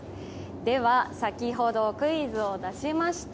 では、先ほどクイズを出しました。